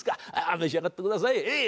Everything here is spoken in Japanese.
召し上がってくださいええ。